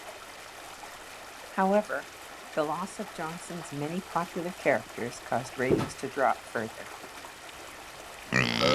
However, the loss of Johnson's many popular characters caused ratings to drop further.